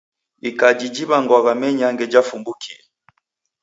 Ikaji jiw'angwagha menyange jafumbukie!